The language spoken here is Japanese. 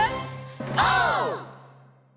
オー！